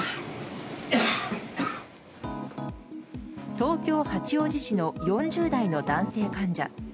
東京・八王子市の４０代の男性患者。